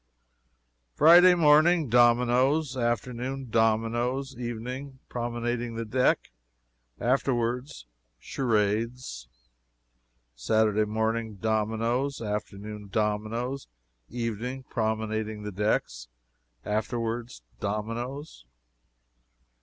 "Friday Morning, dominoes. Afternoon, dominoes. Evening, promenading the deck. Afterwards, charades. "Saturday Morning, dominoes. Afternoon, dominoes. Evening, promenading the decks. Afterwards, dominoes.